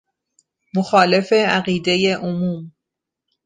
مخالف عقبدۀ عموم